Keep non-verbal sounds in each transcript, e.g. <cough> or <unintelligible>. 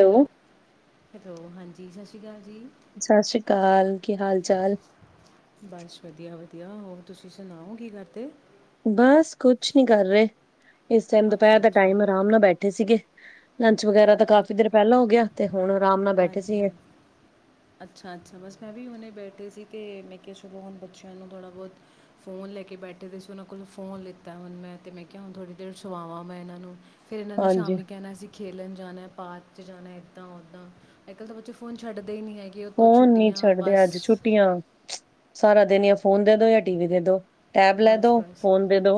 Hello hello ਹਾਂਜੀ। ਜੀ ਸਸ ਸੀ ਕਾਲ ਜੀ। ਸਸਿ ਸ੍ਰੀ ਕਾਲ, ਕੀ ਹਾਲ ਚਾਲ? ਬਸ ਵਧੀਆ ਵਧੀਆ ਹੋਰ ਤੁਸੀਂ ਸੁਣਾਓ ਕੀ ਕਰਦੇ। ਬਸ ਕੁਛ ਨਹੀਂ ਕਰ ਰਹੇ। ਇਸ ਟੈਮ ਦੁਪਹਿਰ ਅੱਛਾ ਦਾ ਅੱਛਾ ਟਾਈਮ ਆਰਾਮ ਨਾਲ ਬੈਠ ਠੇ ਸੀਗੇ। ਲੰਚ ਵਗੈਰਾ ਤਾਂ ਕਾਫ਼ੀ ਦੇਰ ਪਹਿਲਾਂ ਹੋ ਗਿਆ। ਤੇ ਹੁਣ ਆਰਾਮ ਨਾਲ ਬੈਠੇ ਹਾਂਜੀ ਸੀਗੇ, ਹਾਂ ਅੱਛਾ ਅੱਛਾ ਬਸ ਮੈਂ ਵੀ ਹੁਨੇ ਬੈਠੇ ਸੀ। ਤੇ, ਮੈਂ ਕਿਹਾ ਚਲੋ ਹੁਣ ਬੱਚਿਆਂ ਨੂੰ ਥੋੜ੍ਹਾ ਬਹੁਤ, ਫੋਨ ਲੈ ਕੇ ਬੈਠੇ ਦੇ ਸੀ ਉਹਨਾਂ ਕੋਲੋਂ ਫੋਨ ਲਿੱਤਾ ਹੁਣ ਮੈਂ ਤੇ ਮੈਂ ਕਿਹਾ ਹੁਣ ਥੋੜ੍ਹੀ ਦੇਰ ਸੁਵਾਵਾਂ ਮੈਂ ਇਹਨਾਂ ਨੂੰ। ਫਿਰ ਇਹਨਾਂ ਨੇ ਹਾਂਜੀ। ਸ਼ਾਮੀ ਕਹਿਣਾ ਅਸੀਂ ਖੇਲਣ ਜਾਣਾ ਪਾਰ 'ਚ ਜਾਣਾ ਇੱਦਾਂ ਉੱਦਾਂ ਅੱ ਕੱਲ ਤਾਂ ਬੱਚੇ ਫੋਨ ਛਡਦੇ ਫੋਣ ਨੀ ਛੱਡਦੇ ਅੱਜ ਛੁੱਟੀਆਂ ਸਾਰਾ ਦਿਨ ਯਾਂ ਫੋਨ ਦੇ ਦੋ ਯਾਂ ਟੀ ਵੀ ਦੇ ਦੋ। ਟੈਬ ਲੈ ਬਸ ਦੋ, ਬਸ ਫੋਨ ਦੇ ਦੋ।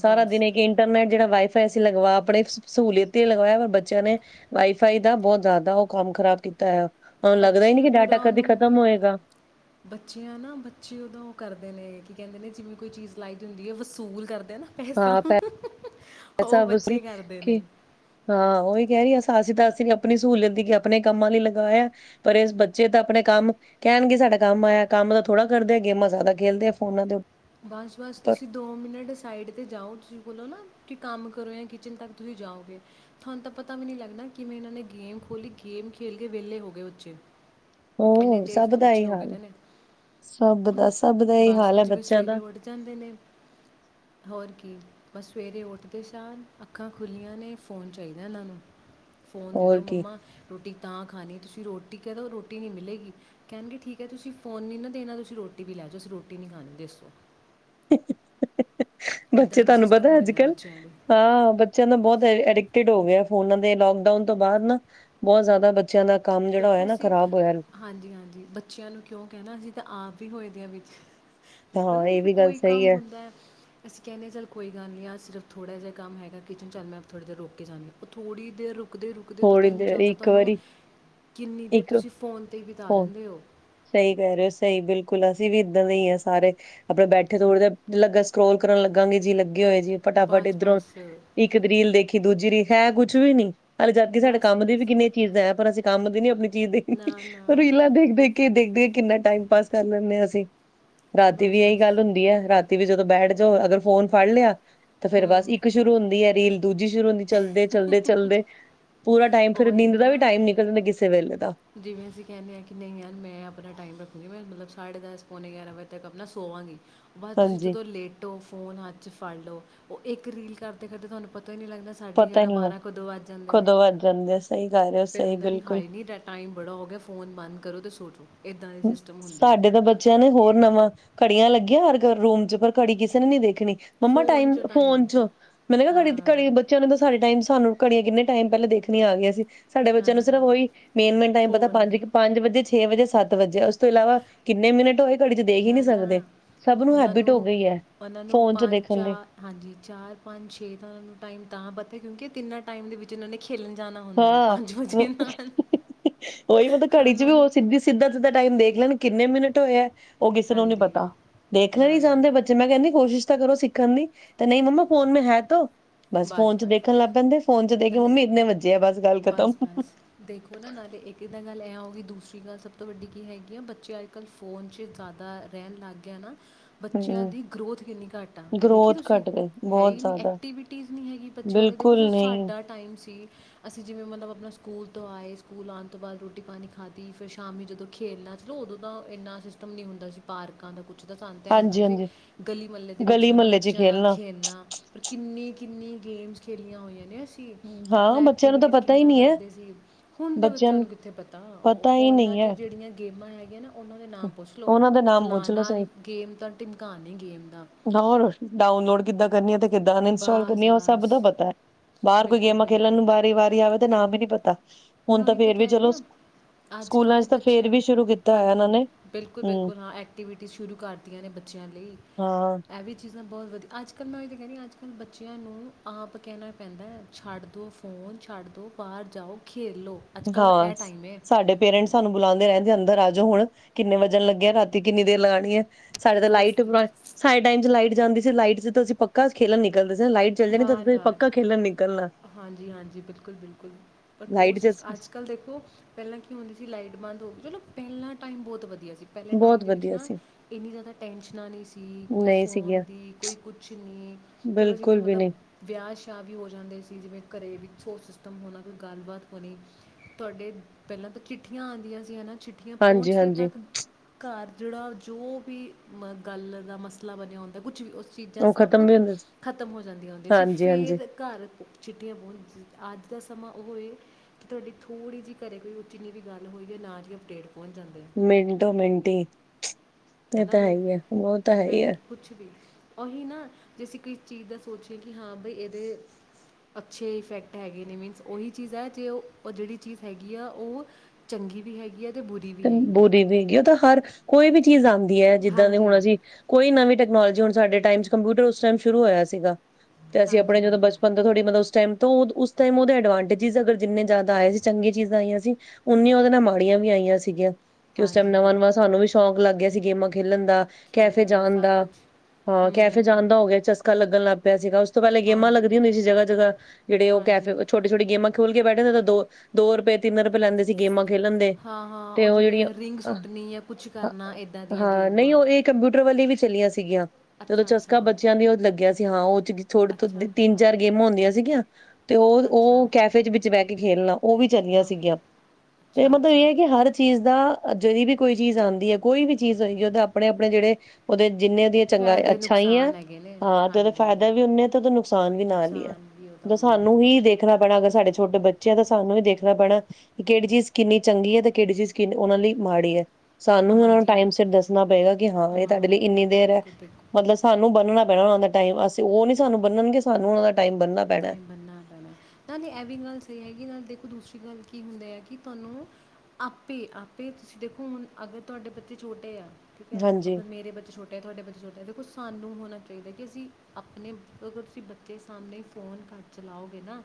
ਸਾਰਾ ਦਿਨ ਏ ਕਿ ਇੰਟਰਨੈਟ ਜਿਹੜਾ ਵਾਈਫ ਪੈਸੇ ਲਗਵਾ ਆਪਣੇ ਸਹੂਲੀਅਤ ਤੇ ਲਗਵਾਇਆ ਵੇ ਪਰ ਬੱਚਿਆਂ ਨੇ ਵਾਈਫਾਈ ਦਾ ਬਹੁਤ ਜ਼ਿਆਦਾ ਉਹ ਕੰਮ ਖ਼ਰਾਬ ਕੀਤਾ ਹੈ। ਹਉਣ ਲੱਗ ਬੱਚੇ ਪੂਰਾ ਉਹਨੂੰ ਬੱਚੇਆ ਨਾ ਬੱਚੇ ਉਹਦੋ ਕਰਦੇ ਨੇ। ਕੀ ਕਹਿੰਦੇ ਨੇ ਜਿਵੇਂ ਕੋਈ ਚੀਜ਼ ਲਾਈਟ ਹੁੰਦੀ ਹੈ ਵਸੂਲ ਕਰਦੇ ਤੇ ਨਾ ਪੈਸਾ। ਐ ਉਹ ਬੱਚੇ <unintelligible> ਕਰਦੇ ਕਿ ਨੇ ਹਾਂ ਉਹੀ ਕਹਿ ਰਹੀ ਏ ਤਾਸੀ ਤਾਂਸੀ ਨੇ ਅਪਣੀ ਸਹੂਲਤ ਦੀ ਕੇ ਅਪਣੇ ਕੰਮਾਂ ਲਈ ਲਗਾਇਆ। ਪਰ ਇਸ ਬੱਚੇ ਤਾਂ ਅਪਣੇ ਕੰਮ ਕਹਿਣਗੇ ਸਾਡਾ ਕੰਮ ਆਇਆ, ਕੰਮ ਥੋੜਾ ਕਰਦੇ, ਗੇਮਾਂ ਜ਼ਿਆਦਾ ਖੇਲਦੇ ਆ ਫੋਨਾਂ ਦੇ ਉਤੇ। ਬਸ ਬਸ ਤੁਸੀਂ ਦੋ ਮਿੰਟ ਸਾਈਡ ਤੇ ਜਾਓ ਤੁਸੀਂ ਖੋਲੋ ਨਾ ਕਿ ਕੰਮ ਕਰੋ ਜਾਂ ਕਿਚਨ ਤੱਕ ਤੁਸੀਂ ਜਾਓਗੇ ਤੁਹਾਨੂੰ ਤਾਂ ਪਤਾ ਵੀ ਨਹੀਂ ਲੱਗਨਾ ਕਿਵੇਂ ਇਹਨਾਂ ਨੇ ਗੇਮ ਖੋਲ੍ਹੀ ਗੇਮ ਖੇਲ ਕੇ ਵਿਹਲੇ ਹੋ ਗਏ ਉਏਚ ਓ ਸਭ ਦਾ ਹੀ ਇਹੀ ਐ ਹਾਲ ਸਭ ਦਾ ਸਭ ਦਾ ਇਈ ਬਸ ਹਾਲ ਹੈ ਜਿਵੇਂ ਬੱਚਾ। ਸਵੇਰੇ ਉੱਠ ਜਾਂਦੇ ਨੇ। ਹੋਰ ਕੀ ਬਸ ਸਵੇਰੇ ਉੱਠਦੇ ਸਾਂ ਅੱਖਾਂ ਖੁੱਲ੍ਹੀਆਂ ਨੇ, ਫ਼ੋਨ ਚਾਹੀਦਾ ਇਹਨਾਂ ਨੂੰ। ਫ਼ੋਨ ਦੇ ਹੋਰ ਦਿਉ ਕੀ ਮੰਮਾ ਰੋਟੀ ਤਾਂ ਖਣੀ ਤੁਸੀਂ ਰੋਟੀ ਠੀਕ ਹੈ। ਤਾਂ ਉਹ ਰੋਟੀ ਨਹੀਂ ਮਿਲੇਗੀ ਕਹਿਣਗੇ ਠੀਕ ਹੈ। ਤੁਸੀਂ ਫੋਨ ਨਹੀਂ ਨਾ ਦੇਣਾ ਤੁਸੀਂ ਰੋਟੀ ਵੀ ਲੈ ਜਾਉ ਅਸੀਂ ਰੋਟੀ ਵੀ ਨਹੀਂ ਖਾਦੇ ਦੱਸੋ। <unintelligible> ਬੱਚੇ ਇੱਦਾਂ ਦੇ ਤੁਹਾਨੂੰ ਪਤਾ ਸਿਸਟਮ ਹੋਏ ਅੱਜ ਦੇ ਆ ਕੱਲ੍ਹ ਬੱਚਿਆਂ ਦੇ ਹਾਂ ਬੱਚਿਆਂ ਦਾ ਬਹੁਤ ਅਡਿਕਟਡ ਹੋ ਗਿਆ। ਉਹਨਾਂ ਦੇ ਲੋਕਡਾਊਨ ਤੋਂ ਬਾਅਦ ਨਾ ਬਹੁਤ ਜ਼ਿਆਦਾ ਬੱਚਿਆਂ ਦਾ ਕੰਮ ਜਿਹੜਾ ਹੋਇਆ ਦੇਖੋ ਨਾ ਸੀ ਖ਼ਰਾਬ ਹੋਇਆ ਹਾਂਜੀ ਹਾਂਜੀ ਬੱਚਿਆਂ ਨੂੰ ਕਿਉਂ ਕਹਿਣਾ ਸੀ ਤਾਂ ਆਪ ਵੀ ਹੋਏ ਦੀਆਂ। ਦੇਖੋ ਹਾਂ ਨਾ ਇਹ ਵੀ ਗੱਲ ਕੋਈ ਸਹੀ ਕੰਮ ਹੈ ਹੁੰਦਾ ਐ ਅਸੀਂ ਕਹਿੰਦੇ ਹਾਂ ਚੱਲ ਕੋਈ ਗੱਲ ਨਹੀਂ ਅੱਜ ਸਿਰਫ਼ ਥੋੜ੍ਹਾ ਜਿਹਾ ਕੰਮ ਹੈ ਗਾ। ਕਿਚਨ ਚੱਲ ਮੈਂ ਥੜ੍ਹੀ ਦੇਰ ਰੁਕ ਕੇ ਜਾਂਦੀ ਆ। ਉਹ ਥੜ੍ਹੀ ਦੇ ਰੁਕ ਰੁਕਦੇ ਰੁਕਦੇ ਪਤਾ ਥੋੜੀ ਹੀ ਨਹੀਂ ਦੇਰ ਚੱਲਦਾ ਇੱਕ ਤੁਹਾਨੂੰ ਵਾਰੀ ਕਿੰਨੀ ਦੇਰ ਇੱਕ ਤੁਸੀਂ ਫੋਨ ਤੇ ਹੀ ਬਿਤਾ ਹੋ ਦਿੰਦੇ ਸਹੀ ਕਹਿ ਰਹੇ ਸਹੀ ਬਿਲਕੁਲ ਅਸੀਂ ਵੀ ਇੱਦਾਂ ਦੇ ਹੀ ਹਾ। ਸਾਰੇ ਆਪਣੇ ਬੈਠੇ ਥੋੜੇ ਜ ਲੱਗਾ ਸਕਰੋਲ ਕਰਨ ਲੱਗਾਗੇ ਜੀ ਲੱਗੇ ਹੋਏ ਜੀ ਫਟਾਫਟ ਬਸ ਇੱਧਰੋਂ ਬਸ ਇੱਕ ਰੀਲ ਦੇਖੀ ਦੂਜੀ ਰੀਲ ਹੈ ਕੁਛ ਵੀ ਨੀ ਹਲੇ ਜਦ ਕਿ ਸਾਡੇ ਬਸ ਕੰਮ ਦੀ ਬਸ ਵੀ ਕਿੰਨੀਆਂ ਚੀਜ਼ਾਂ ਆ। ਪਰ ਅਸੀਂ ਕੰਮ ਦੀ ਨੀ ਆਪਣੀ ਜਿਦੇ ਨਾ ਨਾ ਰੀਲਾਂ ਦੇਖ ਦੇਖ ਕੇ ਦੇਖਦੇ ਕਿੰਨਾ ਟਾਈਮ ਪਾਸ ਕਰ ਲੈਂਦੇ ਹਾਂ ਅਸੀਂ ਰਾਤੀ ਵੀ ਬਸ ਇਹੀ ਬਸ ਗੱਲ ਹੁੰਦੀ ਹੈ ਰਾਤ ਵੀ ਜਦੋਂ ਬੈਠ ਜਾਓ ਅਗਰ ਫੋਨ ਫੜ ਲਿਆ। ਤੇ ਤੇ ਫੇਰ ਬਸ ਹੂੰ ਇੱਕ ਸ਼ੁਰੂ ਹੁੰਦੀ ਹੈ। ਰੀਲ ਦੂਜੀ ਸ਼ੁਰੂ ਸ਼ੁਰੂ ਹੁੰਦੀ ਚੱਲਦੇ ਚੱਲਦੇ ਚੱਲਦੇ ਪੂਰਾ ਟਾਈਮ ਫੇਰ ਓਏ ਨਿੰਂਦ ਦਾ ਵੀ ਨਾ ਟਾਈਮ ਨਿਕਲ ਜਾਂਦਾ। ਕਿਸੇ ਵੇਲੇ ਦਾ ਜਿਵੇਂ ਅਸੀਂ ਕਹਿੰਦੇ ਹਾਂ ਕਿ ਨਹੀਂ ਯਾਰ ਮੈਂ ਆਪਣਾ ਟਾਈਮ ਰੱਖਗੀ ਮਤਲਬ ਸਾਢੇ ਦਸ ਪੌਣੇ ਗਿਆਰਾਂ ਵਜੇ ਤੱਕ ਆਪਣਾ ਸੋਵਾਂਗੀ ਬਸ ਤੁਸੀਂ ਹਾਂਜੀ ਜਦੋਂ ਲੇਟੋ ਫ਼ੋਨ ਹੱਥ ਚ ਫੜ ਲਓ। ਉਹ ਇੱਕ ਰੀਲ ਕਰਦੇ ਕਰਦੇ ਤੁਹਾਨੂੰ ਪਤਾ ਹੀ ਨੀ ਲੱਗਦਾ ਸਾਢੇ ਪਤਾ ਹੀ ਗਿਆਰਾਂ ਨੀ ਲੱਗਦਾ ਬਾਰਾਂ ਕਦੋ ਵੱਜ ਜਾਂਦੇ ਨੇ ਕਦੋਂ ਵੱਜ ਜਾਂਦੇ ਆ ਸਹੀ ਕਰ ਰਹੇ ਹੋ ਫੇਰ ਸਹੀ ਹੁੰਦਾ ਨੀ ਬਿਲਕੁਲ ਹਾਏ ਨੀ ਟੇ ਟਾਈਮ ਬੜਾ ਹੋਗਾ ਫੋਨ ਬੰਦ ਕਰੋ ਤੇ ਸੋਜੋ ਸਾਡੇ ਤਾਂ ਬੱਚਿਆਂ ਨੇ ਹੋਰ ਨਵਾਂ ਘੜੀਆਂ ਲੱਗੀਆਂ। ਹਰ ਘਰ ਰੂਮ ਚ ਪਰ ਘੜੀ ਕਿਸੇ ਨੇ ਨੀ ਦੇਖਣੀ ਮੰਮਾ ਫੋਨ ਟਾਈਮ 'ਚ ਫੋਨ ਚ ਮਤਨ ਕਿਹਾ ਘੜੀ ਹਾਂ ਘੜੀ ਬੱਚਿਆਂ ਨੂੰ ਤਾਂ ਸਡ ਟਾਈਮ ਸਾਨੂੰ ਘੜੀਆਂ ਕਿੰਨੇ ਟਾਈਮ ਪਹਿਲੇ ਦੇਖਣੀਆਂ ਆ ਗਈਆਂ ਸੀ। ਸਾਡੇ ਬੱਚਿਆਂ ਨੂੰ ਹਾਂਜੀ ਸਿਰਫ ਉਹੀ ਮੇਨ ਮੇਨ ਟਾਈਮ ਪਤਾ ਫੋਨ ਪੰਜ ਪੰਜ ਵਜੇ ਛੇ ਛੇ ਵਜੇ ਸੱਤ ਵੱਜਿਆ ਉਸ ਤੋਂ ਇਲਾਵਾ ਕਿੰਨੇ ਮਿੰਟ ਹੋਏ ਘੜੀ ਚ ਦੇਖ ਹੀ ਨਹੀਂ ਨਾਨਾ ਸਕਦੇ ਸਭ ਉਹਨਾਂ ਹੈਬਿਟ ਹੋ ਨੂੰ ਗਈ ਹੈ ਉਹਨਾਂ ਨੂੰ ਫੋਨ ਚ ਪੰਜ ਦੇਖਣ ਦੀ ਚਾਰ ਹਾਂਜੀ ਚਾਰ ਪੰਜ ਛੇ ਤਾ ਨੂੰ ਟਾਈਮ ਤਾਂ ਪਤਾ ਕਿਉਂਕਿ ਤਿੰਨਾਂ ਟਾਈਮ ਦੇ ਵਿੱਚ ਉਹਨਾਂ ਨੇ ਖੇਲਣ ਜਾਣਾ ਹੁੰਦਾ ਹੈ ਹਾਂ ਪੰਜ ਵਜੇ ਨਾਲ ਉਹੀ ਮਤਲਬ ਘੜੀ ਚ ਵੀ ਉਹਨਾਂ ਨੂੰ ਉਹ ਸਿੱਧੀ ਸਿੱਧਾ ਸਿੱਧਾ ਟਾਈਮ ਦੇਖ ਲੈਣ ਕਿੰਨੇ ਮਿੰਟ ਹੋਏਆ ਉਹ ਕਿਸੇ ਨੂੰ ਨਹੀਂ ਹਾਂਜੀ ਪਤਾ ਦੇਖਣਾ ਨਾ ਨੀ ਨਾ ਚਾਹੁੰਦੇ ਬੱਚੇ ਮੈਂ ਕਹਿੰਦੀ ਕੋਸ਼ਿਸ਼ ਤਾਂ ਕਰੋ। ਸਿੱਖਣ ਦੀ ਤੇ ਨਹੀਂ ਮੰਮਾ ਫੋਨ ਮੈਂ ਹੈ ਤੇ ਬਸ ਫੋਨ ਚ ਦੇਖਣ ਲੱਗ ਪੈਂਦੇ ਫੋਨ ਚ ਦੇਖ ਕੇ ਨਾਲੇ ਮੰਮੀ ਇੰਨੇ ਵਜੇ ਬਸ ਬਸ ਦੇਖੋ ਨਾ ਨਾਲੇ ਇੱਕ ਦਾਂ ਗੱਲ ਐਂ ਹੋ ਗਈ ਦੂਸਰੀ ਗੱਲ ਸਭ ਤੋਂ ਵੱਡੀ ਕੀ ਹੈਗੀ ਆ ਬੱਚੇ ਅੱਜ ਕੱਲ ਫੋਨ 'ਚ ਜ਼ਿਆਦਾ ਰਹਿਣ ਲੱਗ ਗਿਆ ਨਾ। ਬੱਚਿਆਂ ਹੂੰ, ਦੀ ਗਰੋਥ ਕਿੰਨੀ ਘੱਟ ਆ ਇਹ ਦੇਖੀ ਗ੍ਰੋਥ ਤੁਸੀਂ ਘੱਟ ਗਈ ਹੈ ਬਹੁਤ ਹੀ ਨਹੀਂ ਜ਼ਿਆਦਾ, ਐਕਟੀਵਿਟੀ ਨਹੀਂ ਹੈਗੀ ਬੱਚਿਆਂ ਦੇ ਦੇਖੋ ਬਿਲਕੁਲ ਜੋ ਨਹੀਂ ਸਾਡਾ ਟਾਈਮ ਸੀ ਅਸੀਂ ਜਿਵੇਂ ਮਤਲਬ ਆਪਣਾ ਸਕੂਲ ਤੋਂ ਆਏ ਸਕੂਲ ਆਉਣ ਤੋਂ ਬਾਅਦ ਰੋਟੀ ਪਾਣੀ ਖਾਧੀ ਫਿਰ ਸ਼ਾਮੀ ਜਦੋਂ ਖੇਲਣਾ ਚਲੋ ਉਦੋਂ ਤਾਂ ਇੰਨਾ ਸਿਸਟਮ ਨਹੀਂ ਹੁੰਦਾ ਸੀ ਪਾਰਕਾਂ ਦਾ ਕੁਛ ਤਾਂ ਸਾਨੂੰ ਇਹ ਹੁੰਦਾ ਸੀ ਹਾਂਜੀ-ਹਾਂਜੀ, ਗਲੀ ਮਹੱਲੇ ਦੇ ਵਿੱਚ ਗਲੀ ਹੈ ਨਾ ਮੁਹੱਲੇ 'ਚ ਬੱਚਿਆਂ ਨਾਲ ਖੇਲਣਾ ਪਰ ਕਿੰਨੀ ਕਿੰਨੀ ਗੇਮਸ ਖੇਡੀਆਂ ਹੋਈਆਂ ਨੇ। ਆਪਣਾ ਹਾਂ ਬੱਚਿਆਂ ਨੂੰ ਤਾਂ ਐਕਟੀਵਿਟੀ ਪਤਾ ਹੀ ਕਿੰਨਾ ਨਹੀਂ ਹੈ, ਕਰਦੇ ਸੀ ਹੁਣ ਦੇ ਬੱਚਿਆਂ ਨੂੰ ਕਿੱਥੇ ਪਤਾ ਉਹ ਹੀ ਫੋਨਾਂ ਨਹੀਂ ਚ ਹੈ, ਜਿਹੜੀਆਂ ਗੇਮ ਹੈਗੇ ਨਾ ਉਹਨਾਂ ਦੇ ਨਾਮ ਪੁੱਛ ਲਓ ਉਹਨਾਂ ਦਾ ਨਾਮ ਪੁੱਛ ਲਓ ਫਲਾਨਾ ਸਹੀ। ਗੇਮ ਤਾਂ ਢਿਮਕਾਾਨੀ ਗੇਮ ਦਾ ਹੋਰ ਡਾਊਨਲੋਡ ਕਿੱਦਾਂ ਕਰਨੀ ਆ ਤੇ ਕਿੱਦਾਂ ਅਨ ਇੰਸਟੋਾਲ ਕਰਨੀ ਬਸ ਹੈ ਉਹ ਸਭ ਦਾ ਬਸ ਪਤਾ ਹੈ ਬਾਹਰ ਕੋਈ ਬਿਲਕੁਲ ਗੇਮਾਂ ਖੇਲਣ ਬਿਲਕੁਲ ਨੂੰ ਵਾਰੀ ਵਾਰੀ ਆਵੇ। ਦਾ ਨਾਮ ਹੀ ਨੀ ਪਤਾ। ਮੈਂ ਹੁਣ ਉਹੀ ਤਾਂ ਫੇਰ ਵੀ ਕਹਿ ਰਹੀ ਚਲੋ ਹਾਂ ਅੱਜ ਕੱਲ੍ਹ ਸਕੂਲਾਂ ਦੇ ਚ ਤਾਂ ਬੱਚਿਆਂ ਫੇਰ ਵੀ ਸ਼ੁਰੂ ਕੀਤਾ ਹੋਇਆ ਹਾਂਜੀ ਇਹਨਾਂ ਹਾਂਜੀ ਨੇ ਬਿਲਕੁਲ ਹੂੰ ਬਿਲਕੁਲ ਹਾਂ ਐਕਟੀਵਿਟੀਜ਼ ਸ਼ੁਰੂ ਕਰਦੀਆਂ ਨੇ ਬੱਚਿਆਂ ਲਈ ਹਾਂ ਇਹ ਵੀ ਚੀਜ਼ਾਂ ਬਹੁਤ ਵਧੀਆ ਅੱਜ ਕੱਲ੍ਹ ਮੈਂ ਉਹੀ ਤਾਂ ਕਹਿ ਰਹੀ ਹਾਂ ਅੱਜ ਕੱਲ੍ਹ ਬੱਚਿਆਂ ਨੂੰ ਆਪ ਕਹਿਣਾ ਪੈਂਦਾ ਛੱਡ ਦਿਉ ਫੋਨ ਛੱਡ ਦਿਉ ਬਾਹਰ ਜਾਓ। ਖੇਡ ਲਓ ਅੱਜ ਕੱਲ੍ਹ ਦਾ ਹਾਂ ਇਹ ਟਾਈਮ ਹੈ ਸਾਡੇ ਪੇਰੈਂਟਸ ਸਾਨੂੰ ਬੁਲਾਉਂਦੇ ਰਹਿੰਦੇ ਅੰਦਰ ਆ ਜਾਓ ਹੁਣ ਕਿੰਨੇ ਵਜਨ ਲੱਗੇਿਆ ਰਾਤੀ ਕਿੰਨੀ ਦੇਰ ਲਗਾਉਣੀ ਹੈ। ਸਾਡੇ ਤਾਂ ਹੋਰ ਲਾਈਟ ਕੀ ਸਾਡੇ ਟਾਈਮ ਚ ਲਾਈਟ ਜਾਂਦੀ ਸੀ ਲਾਈਟ ਚ ਤਾਂ ਅਸੀਂ ਪੱਕਾ ਖੇਲਣ ਨਿਕਲਦੇ ਸੀ। ਲਾਈਟ ਚੱਲ ਜਾਣੀ ਤਾਂ ਬਾਰ ਬਾਰ ਪੱਕਾ ਖੇਲਣ ਨਿਕਲਣਾ ਹਾਂਜੀ ਹਾਂਜੀ ਬਿਲਕੁਲ ਬਿਲਕੁਲ ਬਟ ਉਹ ਲਾਈਟ ਚ ਸਿਸਟ ਅੱਜ ਕੱਲ੍ਹ ਦੇਖੋ ਪਹਿਲਾਂ ਕੀ ਹੁੰਦੀ ਸੀ ਲਾਈਟ ਬੰਦ ਹੋ ਗਈ ਚਲੋ ਪਹਿਲਾਂ ਟਾਈਮ ਬਹੁਤ ਵਧੀਆ ਸੀ। ਪਹਿਲੇ ਟਾਈਮ ਬਹੁਤ ਦੇ ਵਿੱਚ ਵਧੀਆ ਨਾ ਸੀ ਇੰਨੀ ਜ਼ਿਆਦਾ ਟੈਸ਼ਨਾਂ ਨਹੀਂ ਸੀ ਕੋਈ ਨਹੀਂ ਫੋਨ ਸੀਗੀਆਂ ਦੀ ਕੋਈ ਕੁਛ ਨਹੀਂ ਚਲੋ ਜਿਵੇਂ ਬਿਲਕੁਲ ਵੀ ਮਤਲਬ ਨਹੀਂ ਵਿਆਹ ਸ਼ਾਦੀ ਹੋ ਜਾਂਦੇ ਸੀ ਜਿਵੇਂ ਘਰੇ ਵਿੱਚ ਹੋ ਸਿਸਟਮ ਹੋਣਾ ਕੋਈ ਗੱਲਬਾਤ ਹੋਣੀ ਤੁਹਾਡੇ ਪਹਿਲਾਂ ਤਾਂ ਚਿੱਠੀਆਂ ਆਂਦੀਆਂ ਸੀ ਹੈ ਨਾ ਚਿੱਠੀਆਂ ਹਾਂਜੀ ਪਹੁੰਚਦੇ ਹਾਂਜੀ ਤੱਕ ਘਰ ਜਿਹੜਾ ਜੋ ਵੀ ਗੱਲ ਦਾ ਮਸਲਾ ਬਣਿਆ ਹੁੰਦਾ ਕੁਛ ਵੀ ਉਸ ਚੀਜ਼ਾਂ ਉਹ ਸਭ ਖਤਮ ਵੀ ਹੁੰਦੇ ਖਤਮ ਹੋ ਦੀਆਂ ਸੀ ਹਾਂਜੀ ਹਾਂਜੀ ਫੇਰ ਘਰ ਚਿੱਠੀਆਂ <unintelligible> ਹੁਣ ਦਾ ਸਮਾਂ ਉਹ ਐ ਕਿ ਤੁਹਾਡੀ ਥੋੜ੍ਹੀ ਜਿਹੀ ਘਰ ਕੋਈ ਉੱਚੀ ਨੀਵੀ ਗੱਲ ਹੋਜੇ ਨਾਲ ਹੀ ਅਪਡੇਟ ਪਹੁੰਚ ਜਾਂਦੇ ਆ ਮਿੰਟੋ ਮਿੰਟ ਹੀ ਇਹ ਨਾ ਤਾਂ ਹੈ ਬਈ ਹੀ ਹੈ ਉਹ ਤਾਂ ਹੈ ਹੀ ਮਿੰਟ ਹੈ ਕੁਛ ਵੀ ਉਹੀ ਨਾ ਜੇ ਅਸੀਂ ਕਿਸੀ ਚੀਜ਼ ਦਾ ਸੋਚੀਏ ਕਿ ਹਾਂ ਬਈ ਇਹਦੇ ਅੱਛੇ ਇਫੈਕਟ ਹੈਗੇ ਨੇ ਮੀਨਸ ਉਹੀ ਚੀਜ਼ ਹੈ ਜੇ ਉਹ ਉਹ ਜਿਹੜੀ ਚੀਜ਼ ਹੈਗੀ ਆ ਉਹ ਚੰਗੀ ਵੀ ਹੈਗੀ ਆ। ਬੁਰੀ ਤੇ ਵੀ ਹੈਗੀ ਆ ਬੋਲੀ ਵੀ ਹੈਗੀ ਉਹ ਤਾਂ ਹਰ ਕੋਈ ਵੀ ਚੀਜ਼ ਆਂਦੀ ਹੈ ਜਿੱਦਾਂ ਦੀ ਹਾਂਜੀ ਹੁਣ ਅਸੀਂ ਕੋਈ ਨਵੀਂ ਟੈਕਨੋਲੋਜੀ ਹੁਣ ਸਾਡੇ ਟਾਈਮ ਚ ਕੰਪਿਊਟਰ ਉਸ ਟਾਈਮ ਸ਼ੁਰੂ ਹੋਇਆ ਸੀਗਾ। ਤੇ ਅਸੀਂ ਆਪਣੇ ਹਾਂਜੀ ਜਦੋਂ ਹਾਂਜੀ ਬਚਪਨ ਤੋਂ ਥੋੜ੍ਹੀ ਮਤਲਬ <unintelligible> ਉਸ ਟਾਈਮ ਉਹਦੇ ਐਡਵਾਂਟੇਜਇਸ ਅਗਰ ਜਿੰਨੇ ਜ਼ਿਆਦਾ ਆਏ ਸੀ ਚੰੀਆਂ ਚੀਜ਼ਾਂ ਆਈਆਂ ਸੀ ਉਨੀਆਂ ਉਹਦੇ ਨਾਲ ਮਾੜੀਆਂ ਵੀ ਆਈਆਂ ਸੀ ਸੀਗੀ ਆ ਕਿ ਉਸ ਟਾਈਮ ਹਾਂਜੀ ਨਵਾਂ ਨਵਾਂ ਬਿਲਕੁਲ ਸਾਨੂੰ ਵੀ ਸ਼ੌਕ ਲੱਗਿਆ ਗੇਮਾਂ ਖੇਲਣ ਦਾ ਕੈਫੇ ਖੇਡਣ ਜਾਣ ਸਭ ਦਾ ਕੁਝ ਹਾਂ ਕੈਫੇ ਹੂੰ ਜਾਣ ਦਾ ਹੋ ਗਿਆ ਚਸਕਾ ਲੱਗਣ ਲੱਗ ਪਿਆ ਸੀਗਾ ਉਸ ਤੋਂ ਪਹਿਲੇ ਗੇਮਾਂ ਹਾਂਜੀ ਲੱਗਦੀ ਹੁੰਦੀ ਸੀ ਜਗਾ ਜਗਾਹ ਜਿਹੜੇ ਉਹ ਕੈਫੇ ਹਾਂਜੀ ਛੋਟੀ ਛੋਟੀ ਗੇਮਾਂ ਖੋਲ ਕੇ ਬੈਠੇ ਤਾਂ ਦੋ ਰੁਪਏ ਤਿੰਨ ਰੁਪਏ ਲੈਂਦੇ ਸੀ ਗੇਮਾਂ ਖੇਲਣ ਦੇ ਹਾਂ ਹਾਂ ਤੇ ਉਹ ਜਿਵੇਂ ਰਿੰਗ ਜਿਹੜੀਆਂ ਸੁੱਟਣੀ ਜਾਂ ਕੁਝ ਕਰਨਾ ਇਦਾਂ ਦੀਆਂ ਹਾਂ ਨਹੀਂ ਗੇਮਾਂ ਉਹ ਇਹ ਕੰਪਿਊਟਰ ਵਾਲੀ ਵੀ ਚਲੀਆਂ ਸੀਗੀਆਂ ਜਦੋਂ ਅੱਛਾ ਅੱਛਾ ਚਸਕਾ ਬੱਚਿਆਂ ਦੀ ਉਹ ਲੱਗਿਆ ਸੀ ਹਾਂ ਉਹ ਅੱਛਾ ਥੋੜੇ ਤਿੰਨ ਅੱਛਾ ਚਾਰ ਗੇਮਾਂ ਹੁੰਦੀਆਂ ਸੀਗੀਆਂ ਤੇ ਹੋਰ ਅੱਛਾ ਉਹ ਕੈਫੇ ਦੇ ਵਿੱਚ ਬਹਿ ਕੇ ਖੇਲਣਾ ਉਹ ਵੀ ਚਲੀਆਂ ਆ- ਸੀਗੀਆਂ ਤੇ ਅੱਛਾ ਮਤਲਬ ਇਹ ਅੱਛਾ ਹੈ ਕਿ ਹਰ ਚੀਜ਼ ਦਾ ਜਿਹੜੀ ਵੀ ਕੋਈ ਚੀਜ਼ ਆਂਦੀ ਹੈ ਕੋਈ ਵੀ ਚੀਜ਼ ਹੋਏਗੀ ਉਹਦੇ ਆਪਣੇ ਆਪਣੇ ਜਿਹੜੇ ਉਹਦੇ ਜਿੰਨੇ ਉਹਦੀਆਂ ਚੰਗਾ ਫਾਇਦੇ ਅੱਛਾਈ ਹੈ ਨੁਕਸਾਨ ਹੈਗੇ ਨੇ ਹਾਂ ਤੇ ਉਹਦਾ ਹਾਂਜੀ ਫਾਇਦਾ ਵੀ ਉਨੇ ਆ ਤੇ ਉਹਦਾ ਨੁਕਸਾਨ ਵੀ ਨਾਲ ਹੀ ਹੈ ਨੁਕਸਾਨ ਵੀ ਉਹਦਾ ਜੇ ਉਨਾ ਸਾਨੂੰ ਹੈ ਹੀ ਦੇਖਣਾ ਪੈਣਾ ਅਗਰ ਸਾਡੇ ਛੋਟੇ ਬੱਚੇ ਆ ਤਾਂ ਸਾਨੂੰ ਵੀ ਦੇਖਣਾ ਪੈਣਾ, ਕਿ ਕਿਹੜੀ ਚੀਜ਼ ਕਿੰਨੀ ਚੰਗੀ ਹੈ ਤੇ ਕਿਹੜੀ ਚੀਜ਼ ਕਿ ਉਹਨਾਂ ਲਈ ਮਾੜੀ ਹੈ। ਸਾਨੂੰ ਹੀ ਉਹਨਾਂ ਨੂੰ ਹਾਂਜੀ ਟਾਈਮ ਸਿਰ ਦੱਸਣਾ ਪਏਗਾ ਕਿ ਹਾਂ ਇਹ ਤੁਹਾਡੇ ਲਈ ਇੰਨੀ ਦੇਰ ਹੈ, ਬਿਲਕੁਲ ਦੇਖੋ ਮਤਲਬ ਸਾਨੂੰ ਬਨਣਾ। ਪਹਿਲੇ ਉਹਨਾਂ ਦਾ ਟਾਈਮ ਅਸੀਂ ਉਹ ਨੀ ਸਾਨੂੰ ਬੰਨਣਗੇ ਸਾਨੂੰ ਉਹਨਾਂ ਦਾ ਟਾਈਮ ਬੰਨਣਾ ਪੈਣਾ। ਹੈ। ਟਾਇਮ ਬਣਨਾ ਪੈਣਾ, ਨਾਲੇ ਇਹ ਵੀ ਗੱਲ ਸਹੀ ਹੈਗੀ ਨਾ ਦੇਖ। ਦੂਸਰੀ ਗੱਲ ਕੀ ਹੁੰਦੇ ਆ ਕਿ ਤੁਹਾਨੂੰ ਆਪੇ ਆਪੇ ਤੁਸੀਂ ਦੇਖੋ ਹੁਣ ਅਗਰ ਤੁਹਾਡੇ ਬੱਚੇ ਛੋਟੇ ਐ। ਠੀਕ ਹੈ, ਹਾਂਜੀ, ਅਗਰ ਮੇਰੇ ਬੱਚੇ ਛੋਟੇ ਹੈਂ, ਤੁਹਾਡੇ ਬੱਚੇ ਛੋਟੇ ਐ, ਕੁਛ। ਸਾਨੂੰ ਹੋਣਾ ਚਾਹੀਦਾ ਕਿ ਅਸੀਂ ਆਪਣੇ ਅਗਰ ਤੁਸੀਂ ਬੱਚੇ ਸਾਹਮਣੇ ਫੋਨ ਘੱਟ ਚਲਾਓਗੇ ਨਾ।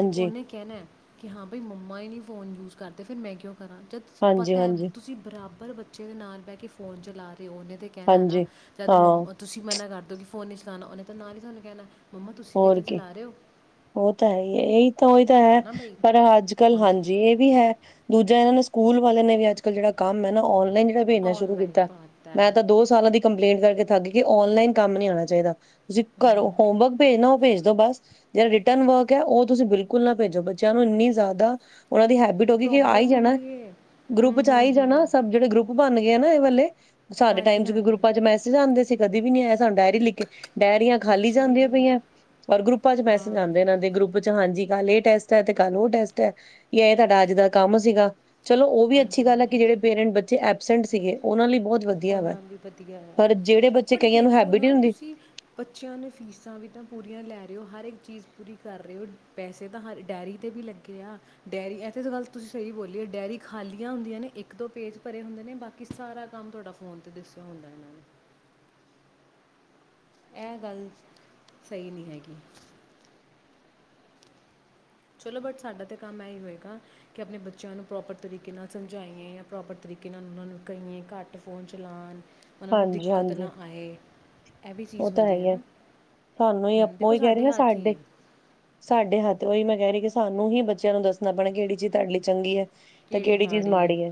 ਤੇ ਔਨੇ ਕਹਿਣਾ ਕਿ ਹਾਂ ਬਾਈ ਮੰਮਾ ਹੀ ਨਹੀਂ ਫੋਨ ਯੂਜ ਕਰਦੇ, ਫਿਰ ਮੈਂ ਕਿਉਂ ਕਰਾਂ ਜਦ ਹਾਂਜੀ, ਪਤਾ ਹੈ ਹਾਂਜੀ, ਤੁਸੀਂ ਬਰਾਬਰ। ਪਰ ਬੱਚੇ ਦੇ ਨਾਲ ਬਹਿ ਕੇ ਫੋਨ ਚਲਾ ਰੇ। ਤੇ ਉਹਨੇ ਤੇ ਕਹਿਣਾ ਨਾ, ਹਾਂਜੀ ਜਦ ਹਾਂ। ਮੰ ਤੁਸੀਂ ਮਨਾ ਕਰਦੇ। ਫੋਨ ਨਹੀਂ ਚਲਾਉਣਾ ਔਨੇ ਨਾਲ ਹੀ ਸਾਨੂੰ ਕਹਿਣਾ। ਮੰਮਾ ਤੁਸੀਂ ਵੀ ਤਾਂ ਔਕੇ, ਚਲਾ ਰਹੇ ਹੋ ਔ ਤਾਂ ਹੈ ਇਹੀ ਤਾਂ ਉਹੀ ਤਾਂ ਹੈ, ਹਨਾ ਬਈ ਪਰ ਅੱਜ ਕੱਲ੍ਹ ਉਹਨੇ ਹਾਂਜੀ ਇਹ ਵੀ ਹੈ ਦੂਜੇ ਜਾਂ ਇਹਨਾਂ ਨੇ ਸਕੂਲ ਵਾਲੇ ਨੇ ਵੀ ਅੱ ਕੱਲ੍ਹ ਜਿਹੜਾ ਕੰਮ ਹੈ ਨਾ, ਔਨ - ਜਿਹੜਾ ਭੇਜਣਾ ਸ਼ੁਰੂ ਆਨਲਾਈਨ ਕੀਤਾ ਪਾਤਾ ਮੈਂ ਹੈ ਤਾਂ ਦੋ ਸਾਲਾਂ ਦੀ ਕੰਪਲੇਂਟ ਕਰਕੇ ਥਕ ਗਈ, ਔਨਲਾਈਨ ਕੰਮ ਨਹੀਂ ਆਣਾ ਚਾਹੀਦਾ। ਤੁਸੀ ਕਰੋ ਹੋਮਵਰਕ ਔ ਭੇਜ ਦੋ ਬਸ, ਜਿਹੜਾ ਰਿਟਰਨ ਵਰਕ ਹੈ ਉਹ ਤੁਸੀਂ ਬਿਲਕੁਲ ਨਾ ਭੇਜੋ ਬੱਚਿਆਂ ਨੂੰ ਇੰਨੀ ਜ਼ਿਆਦਾ ਔਨਾਂ ਦੀ ਹੈਬਿਟ ਹੋ ਗਈ ਕਿ ਆਈ ਪ੍ਰੋਬਲਮ ਜਾਣਾ ਹੁੰਦੀ ਹੈ ਗਰੁੱਪ ਹੂੰ ਚ ਆ ਹੂੰ ਹੀ ਜਾਣਾ ਹੂੰ ਸਭ ਜਿਹੜੇ ਗਰੁੱਪ ਬਣ ਗਿਆ ਨਾ ਇਹ ਵਾਲੇ ਸਾਡੇ ਟਾਈਮ ਹਾਂਜੀ ਚ ਕੋਈ ਹਾਂਜੀ ਗਰੁੱਪਾਂ ਚ ਮੈਸਜ ਆਉਂਦੇ ਸੀ ਕਦੇ ਵੀ ਨਹੀਂ ਆਇਆ ਸਾਨੂੰ ਡਾਇਰੀ ਲਿਖ ਕੇ ਡਾਇਅਰੀਆਂ ਖਾਲੀ ਕੁਛ ਵੀ ਜਾਂਦੀਆਂ। ਨਹੀਂ ਕੀ ਹੈ, ਗਰੁੱਪਾਂ ਚ ਮੈਸੇਜ ਹਾਂ ਆਉਦੇਨਾਂ ਦੇ ਗਰੁੱਪ ਚ ਹਾਂਜੀ, ਕੱਲ ਇਹ ਟੈਸਟ ਹੈ, ਤੇ ਕੱਲ ਉਹ ਟੈਸਟ ਹੈ ਜਾਂ ਇਹ ਤੁਹਾਡਾ ਅੱਜ ਦਾ ਕੰਮ ਸੀਗਾ। ਚਲੋ ਉਹ ਵੀ ਅੱਛੀ ਹਾਂਜੀ ਗੱਲ ਹੈ, ਹਾਂਜੀ ਕਿ ਜਿਹੜੇ ਪੇਰੈਂਟ ਬੱਚੇ ਸਿੰਟ ਸੀਗੇ, ਉਹਨਾਂ ਲਈ ਬਹੁਤ ਔ ਵਧੀਆ ਵਾ ਨਾਮ ਵੀ ਵਧੀਆ ਹੈ, ਪਰ ਜਿਹੜੇ ਬੱਚੇ ਪਰ ਕਈਆਂ ਨੂੰ ਦੇਖੋ ਹੈਬਿਟ ਹੀ ਨਾ ਨਹੀਂ ਹੁੰਦੀ ਤੁਸੀਂ ਬੱਚਿਆਂ ਨੂੰ ਫੀਸ ਵੀ ਤਾਂ ਪੂਰੀਆਂ ਲੈ ਰਹੇ ਹੋ ਹਰ ਇੱਕ ਚੀਜ਼ ਪੂਰੀ ਕਰ ਰਹੇ ਹੋ ਪੈਸੇ ਤਾਂ ਹਰ ਡਾਇਅਰੀ 'ਤੇ ਵੀ ਲੱਗੇ ਆ ਡੈਅਰੀ ਇੱਥੇ ਤਾਂ ਗੱਲ ਤੁਸੀਂ ਸਹੀ ਬੋਲੀਓ ਡਾਇਅਰੀ ਖਾਲੀਆਂ ਹੁੰਦੀਆਂ ਨੇ ਇੱਕ ਦੋ ਪੇਜ ਭਰੇ ਹੁੰਦੇ ਨੇ ਬਾਕੀ ਸਾਰਾ ਕੰਮ ਤੁਹਾਡਾ ਫੋਨ ਤੇ ਦੱਸੋ ਹੁੰਦਾ ਇਹਨਾਂ ਨੇ ਇਹ ਗੱਲ ਸਹੀ ਨਹੀਂ ਹੈਗੀ। ਚਲੋ ਬਟ ਸਾਡਾ ਤਾਂ ਕੰਮ ਇਹੀ ਹੋਏਗਾ ਕਿ, ਆਪਣੇ ਬੱਚਿਆਂ ਨੂੰ ਪ੍ਰੋਪਰ ਤਰੀਕੇ ਨਾਲ ਸਮਝਾਈਏ ਜਾਂ ਪ੍ਰੋਪਰ ਤਰੀਕੇ ਨਾਲ ਉਹਨਾਂ ਨੂੰ ਕਹੀਏ ਘੱਟ ਫੋਨ ਚਲਾਣ ਉਹਨਾਂ ਨੂੰ ਹਾਂਜੀ ਦਿੱਕਤ ਹਾਂਜੀ ਨਾ ਆਏ। ਇਹ ਵੀ ਉਹ ਚੀਜ਼ ਤਾਂ ਹੈ ਹੁੰਦੀ ਹੀ ਹੈ ਨਾ ਤੁਹਾਨੂੰ ਹੀ ਹੂੰ ਆਪਾਂ ਦੇਖੋ ਹੀ ਕਹਿ ਰਹੇ ਹਾ ਹੱਥ ਹੀ ਸਾਡੇ ਹੈ ਸਾਡੇ ਹੱਥ ਉਹੀ ਮੈਂ ਕਹਿ ਰਹੀ ਸਾਨੂੰ ਹੀ ਬੱਚਿਆਂ ਨੂੰ ਦੱਸਣਾ ਪੈਣਾ ਕਿਹੜੀ ਚੀਜ਼ ਤੁਹਾਡੇ ਲਈ ਚੰਗੀ ਹੈ। ਤੇ ਕਿਹੜੀ ਚੀਜ਼ ਮਾੜੀ ਹੈ,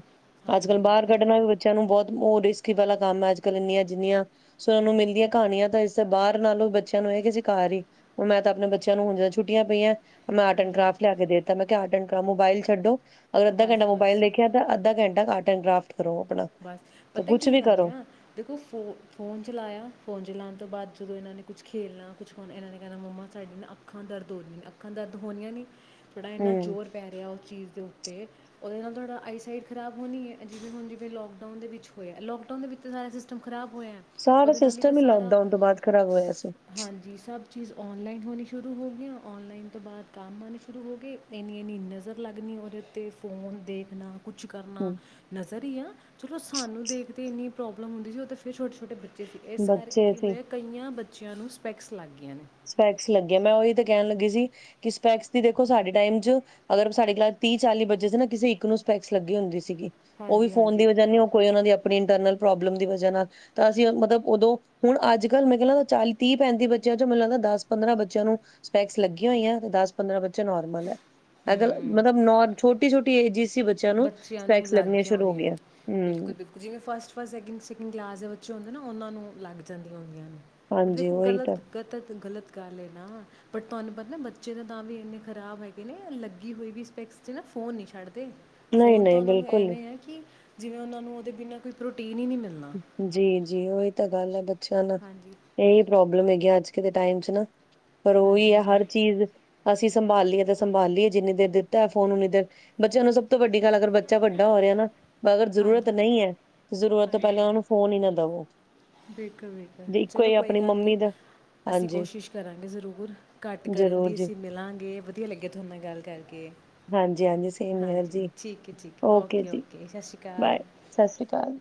ਅੱਜ ਕੱਲ੍ਹ ਹਾਂਜੀ ਬਾਹਰ ਦੇਖ ਕੱਢਣਾ ਵੀ ਬੱਚਿਆਂ ਨੂੰ ਬਹੁਤ ਉਹ ਰਿਸਕੀ ਵਾਲਾ ਕੰਮ ਅੱਜ ਕੱਲ੍ਹ ਇੰਨੀਆਂ ਜਿੰਨੀਆਂ ਸੁਣਨ ਨੂੰ ਮਿਲਦੀਆਂ। ਕਹਾਣੀਆਂ ਤਾਂ ਇਸ ਬਾਹਰ ਨਾਲੋਂ ਬੱਚਿਆਂ ਨੂੰ ਇਹ ਕਿ ਅਸੀਂ ਘਰ ਹੀ, ਹੁਣ ਮੈਂ ਤਾਂ ਆਪਣੇ ਬੱਚਿਆਂ ਨੂੰ ਹੁਣ ਜ ਛੁੱਟੀਆਂ ਪਈਆਂ। ਮੈਂ ਆਰਟ ਐਂਡ ਜੀ ਕਰਾਫ ਲਿਆ ਕੇ ਦੇਤਾ ਮੈਂ ਕਿਹਾਂ ਮੋਬਾਇਲ ਛੱਡੋ, ਅਗਰ ਅੱਧਾ ਘੰਟਾ ਬਸ ਮੋਬਾਇਲ ਬਸ ਦੇਖਿਆ ਤਾਂ ਅੱਧਾ ਘੰਟਾ ਆਰਟ ਐਂਡ ਕਰਾਫਟ ਕਰੋ ਆਪਣਾ ਬਸ ਤਾਂ ਪਤਾ ਕੁਛ ਕੀ ਵੀ ਗੱਲ ਕਰੋ ਆ ਦੇਖੋ ਫੋ ਫੋਨ ਚਲਾਇਆ। ਫੋਨ ਲਾਣ ਤੋਂ ਬਾਅਦ ਜਦੋਂ ਇਹਨਾਂ ਨੇ ਕੁਛ ਖੇਲਣਾ ਕੁਛ ਕਣਾ ਇਹਨਾਂ ਨੇ ਕਹਿਣਾ ਮੰਮਾ ਸਾਦੀ ਨਾ ਅੱਖਾਂ ਦਰਦ ਹੋਦੀਆਂ ਅੱਖਾਂ ਦਰਦ ਹੋਣੀਆਂ ਨੇ। ਥੋੜ੍ਹਾ ਇੰਨਾ ਹਮ ਜ਼ੋਰ ਪੈ ਰਿਹਾ ਉਸ ਚੀਜ਼ ਤੇ ਉਹਦੇ ਨਾਲ ਤੁਹਾਡਾ ਆਈ ਸਾਈਟ ਖ਼ਰਾਬ ਹੋਣੀ ਹੈ ਜਿਵੇਂ ਹੁਣ ਜ ਤੇ ਲੋਕਡਾਊਨ ਦੇ ਵਿੱਚ ਹੋਇਆ ਲੋਕਡਾਊਨ ਦੇ ਵਿੱਚ ਸਾਰਾ ਸਿਸਟਮ ਖਰਾਬ ਹੋਇਆ ਸਾਰਾ ਉਹਦੇ ਨਾਲ ਹੀ ਤਾਂ ਸਿਸਟਮ ਸਾਰਾ ਲੋਕਡਾਊਨ ਤੋਂ ਬਾਅਦ ਖ਼ਰਾਬ ਹੋਇਆ ਸੀ ਹਾਂਜੀ ਸਭ ਚੀਜ਼ ਔਨਲਾਈਨ ਹੋਣੀ ਸ਼ੁਰੂ ਹੋ ਗਈਆਂ ਔਨਲਾਈਨ ਤੋਂ ਬਾਅਦ ਕੰਮ ਆਣੇ ਸ਼ੁਰੂ ਹੋ ਗਏ ਇੰਨੀ ਇੰਨੀ ਨਜ਼ਰ ਲੱਗਣੀ ਉਹਦੇ ਉੱਤੇ ਫੋਨ ਦੇਖਣਾ ਕੁਛ ਕਰਨਾ ਹਮ ਨਜ਼ਰ ਆ ਚਲੋ ਸਾਨੂੰ ਦੇਖਦੇ ਇੰਨੀ ਪ੍ਰੋਬਲਮ ਹੁੰਦੀ ਸੀ, ਤੇ ਫੇਰ ਛੋਟੇ-ਛੋਟੇ ਬੱਚੇ ਇਸ ਕਰਕੇ ਬੱਚੇ ਕੀ ਸੀ ਹੋਇਆ ਕਈਆਂ ਬ ਬੱਚਿਆਂ ਨੂੰ ਸਪੈਕਸ ਲੱਗ ਗਈਆਂ ਨੇ। ਸਪੈਕਸ ਲੱਗਿਆ ਮੈਂ ਉਹੀ ਤੇ ਕਹਿਣ ਲੱਗੀ ਸੀ, ਕਿ ਸਪੈਕਸ ਦੀ ਦੇਖੋ ਸਾਡੇ ਟਾਈਮ ਚ ਅਗਰ ਸਾਡੇ ਕਲਾਸ ਤੀਹ ਚਾਲੀ ਬਜੇ ਸੀ ਨਾ ਕਿਸੇ ਇੱਕ ਨੂੰ ਸਪੈਕਸ ਲੱਗੀ ਹੁੰਦੀ ਸੀਗੀ। ਉਹ ਵੀ ਹਾਂਜੀ ਫੋਨ ਦੀ ਹਾਂਜੀ ਵਜ੍ਹਾ ਨੀ ਉਹ ਕੋਈ ਉਹਨਾ ਦੀ ਆਪਣੀ ਇੰਟਰਨਲ ਪ੍ਰੋਬਲਮ ਦੀ ਵਜ੍ਹਾ ਨਾਲ ਤਾਂ ਅਸੀਂ ਮਤਲਬ ਉਦੋਂ ਹੁਣ ਅੱਜ ਕੱਲ ਮੈਂ ਕਿਹਾ ਲੱਗਦਾ ਚਾਲੀ ਤੀਹ ਪੈਂਤੀ ਬੱਚਿਆਂ ਚੋਂ ਮੈਨੂੰ ਲਗਦਾ। ਦਸ ਪੰਦਰਾਂ ਬੱਚਿਆਂ ਨੂੰ ਸਪੈਕਸ ਲੱਗੀਆਂ ਹੋਈ ਹੈ ਤੇ ਦਸ ਪੰਦਰਾਂ ਬੱਚੇ ਨੋਰਮਲ ਹੈ। ਅਗਰ ਹੂੰ ਮਤਲਬ ਨੋ ਛੋਟੀ-ਛੋਟੀ। ਜਿਸ, ਬੱਚਿਆਂ ਨੂੰ ਲੱਗੀਆਂ ਆਦੀਆਂ ਹੂੰ ਬਿਲਕੁਲ-ਬਿਲਕੁਲ ਜਿਵੇਂ ਫਸਟ ਸਕਿੰਡ ਕਲਾਸ ਦੇ ਬੱਚੇ ਹੁੰਦੇ ਨਾ ਉਹਨਾਂ ਨੂੰ ਲੱਗ ਜਾਂਦੀਆਂ ਹੇਗੀਆ ਨੇ। ਪਰ ਹਾਂਜੀ ਦੇਖੋ ਉਹੀ ਤਾਂ ਗ਼ਲਤ-ਗ਼ਲਤ-ਗ਼ਲਤ ਗੱਲ ਹੈ ਨਾ ਬਟ ਤੁਹਾਨੂੰ ਪਤਾ ਨਾ ਬੱਚੇ ਤਾਂ ਤਾਂ ਵੀ ਇੰਨੇ ਖਰਾਬ ਹੈਗੇ ਨੇ ਲੱਗੀ ਹੋਈ ਵੀ ਸਪੈਕਸ 'ਚ ਨਾ ਫੋਨ ਨਹੀਂ ਛੱਡਦੇ ਨਹੀਂ ਫੋਨ ਤਾਂ ਨਹੀਂ ਉਹਨਾਂ ਨੂੰ ਬਿਲਕੁਲ ਐਵੇਂ ਹੈ ਕਿ ਜਿਵੇਂ ਉਹਨਾਂ ਨੂੰ, ਉਹਦੇ ਬਿਨਾਂ ਕੋਈ ਪ੍ਰੋਟੀਨ ਹੀ ਨਹੀਂ ਮਿਲਣਾ ਜੀ -ਜੀ ਉਹੀ ਤਾਂ ਗੱਲ ਹੈ ਬ <inaudible> ਬੱਚਿਆ ਨਾਲ, ਹਾਂਜੀ ਇਹੀ ਪ੍ਰੋਬਲਮ ਹੈਗੀ ਅੱਜ ਦੇ ਟਾਈਮ ਚ ਨਾ ਪਰ ਹਾਂਜੀ ਉਹੀ ਆ, ਹਾਂਜੀ ਹਰ ਚੀਜ਼ ਅਸੀਂ ਸੰਭਾਲੀਏ ਤਾਂ ਸੰਭਾਲੀਏ, ਜਿੰਨੀ ਦੇਰ ਦਿੱਤਾ ਫੋਨ ਉਨੀ ਦੇਰ ਬੱਚਿਆਂ ਨੂੰ, ਸਭ ਤੋਂ ਵੱਡੀ ਗੱਲ ਅਗਰ ਬੱਚਾ ਵੱਡਾ ਹੋ ਰਿਹਾ ਨਾ ਅਗਰ ਜ਼ਰੂਰਤ ਹਾਂਜੀ ਨਹੀਂ ਹੈ, ਜ਼ਰੂਰਤ ਤਾਂ ਪਹਿਲਾਂ ਉਹਨੂੰ, ਫੋਨ ਹੀ ਨਾ ਦੇਵੋ। ਬਿਲਕੁਲ -ਬਿਲਕੁਲ ਚਲੋ ਕੋਈ ਗੱਲ ਨਹੀਂ, ਦਾ ਅਸੀਂ ਹਾਂਜੀ ਕੋਸ਼ਿਸ਼ ਕਰਾਂਗੇ ਜ਼ਰੂਰ, ਘੱਟ ਕਰਨ ਜ਼ਰੂਰ ਦੀ ਜੀ ਅਸੀਂ ਮਿਲਾਂਗੇ ਵਧੀਆ ਲੱਗੇ ਤੁਹਾਡੇ ਨਾਲ ਗੱਲ ਕਰਕੇ। ਹਾਂਜੀ -ਹਾਂਜੀ ਸੇਮ ਹੈ ਹਾਂਜੀ ਜੀ, ਠੀਕ ਹੈ ਠੀਕ ਹੈ ਓਕੇ ਜੀ ਸਤਿ ਸ਼੍ਰੀ ਬਾਏ ਅਕਾਲ ਸਤਿ ਸ੍ਰੀ ਅਕਾਲ।